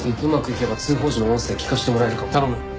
うまくいけば通報時の音声聞かせてもらえるかも。